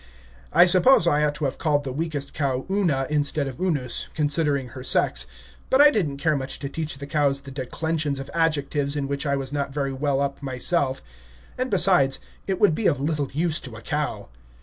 I suppose I ought to have called the weakest cow Una instead of Unus, considering her sex; but I did n't care much to teach the cows the declensions of adjectives, in which I was not very well up myself; and, besides, it would be of little use to a cow.